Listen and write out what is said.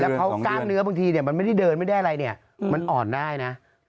แล้วเขากล้ามเนื้อบางทีมันไม่ได้เดินไม่ได้อะไรเนี่ยมันอ่อนได้นะ